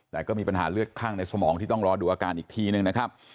แต่ก็มีปัญหาเลือดคลั่งในสมองที่ต้องรอดูอาการอีกทีหนึ่งนะครับ